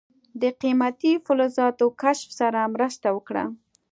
د قیمتي فلزاتو کشف سره مرسته وکړه.